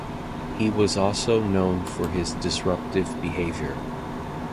He was also known for his disruptive behavior.